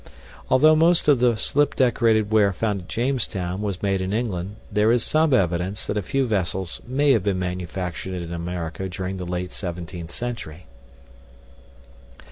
Although most of the slip decorated ware found at Jamestown was made in England, there is some evidence that a few vessels may have been manufactured in America during the late 17th century.